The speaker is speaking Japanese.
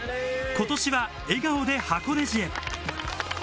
今年は笑顔で箱根路へ。